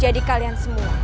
jadi kalian semua